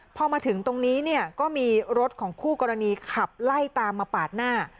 พอมาถึงตรงนี้เนี่ยก็มีรถของคู่กรณีขับไล่ตามมาปาดหน้า